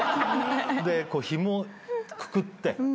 でひもくくって。